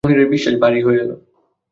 মুনিরের নিঃশ্বাস ভারি হয়ে এল।